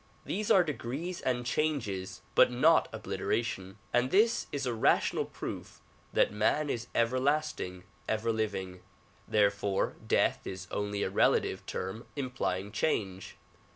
These are degrees and changes but not obliteration ; and this is a rational proof that man is everlasting, everliving. Therefore death is only a relative term implying change.